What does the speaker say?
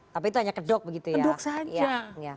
tapi itu hanya kedok begitu ya kedok saja